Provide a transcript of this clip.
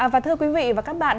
và thưa quý vị và các bạn